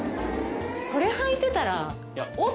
これ履いてたらおっ！